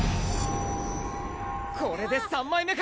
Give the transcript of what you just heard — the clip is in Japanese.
これで３枚目か！